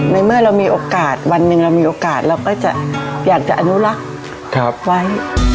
ในเมื่อเรามีโอกาสวันหนึ่งเรามีโอกาสเราก็จะอยากจะอนุรักษ์ไว้